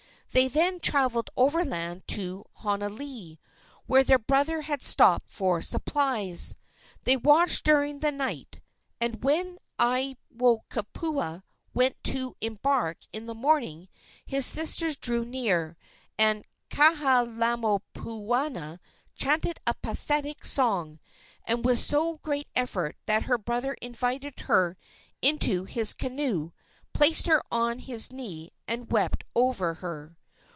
They then traveled overland to Honolii, where their brother had stopped for supplies. They watched during the night, and when Aiwohikupua was about to embark in the morning his sisters drew near, and Kahalaomapuana chanted a pathetic song, and with so great effect that her brother invited her into his canoe, placed her on his knee and wept over her.